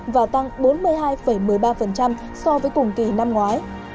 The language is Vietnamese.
và tăng bốn mươi hai một mươi ba so với cùng kỳ năm ngoái